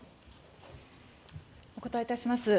お答えいたします。